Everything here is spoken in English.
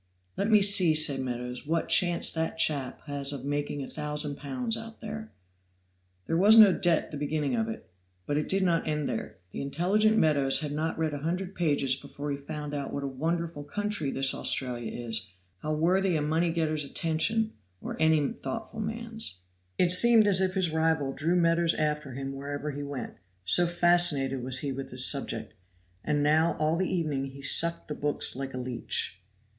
"Let me see," said Meadows, "what chance that chap has of making a thousand pounds out there." This was no doubt the beginning of it, but it did not end there. The intelligent Meadows had not read a hundred pages before he found out what a wonderful country this Australia is, how worthy a money getter's attention or any thoughtful man's. It seemed as if his rival drew Meadows after him wherever he went, so fascinated was he with this subject. And now all the evening he sucked the books like a leech.